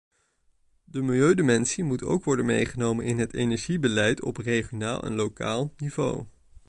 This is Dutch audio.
De milieudimensie moet ook worden meegenomen in het energiebeleid op regionaal en lokaal niveau.